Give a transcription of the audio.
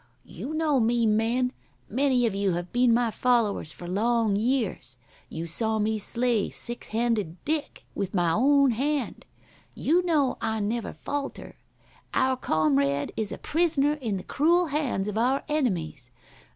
"You know me, men. Many of you have been my followers for long years. You saw me slay Six handed Dick with my own hand. You know I never falter. Our comrade is a prisoner in the cruel hands of our enemies.